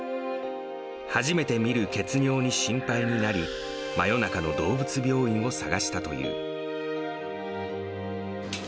初めて見る血尿に心配になり、真夜中の動物病院を探したという。